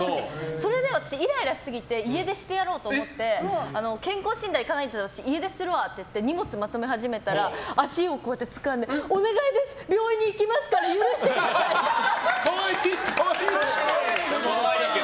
それで私、イライラしすぎて家出してやろうと思って健康診断行かないなら家出するわって言って荷物、まとめ始めたら足をつかんでお願いです、病院に行きますから可愛い！